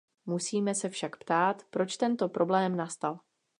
Musíme se však ptát, proč tento problém nastal.